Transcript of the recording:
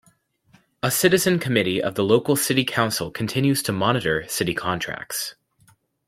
A citizen committee of the local city council continues to monitor city contracts.